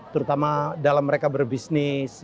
terutama dalam mereka berbisnis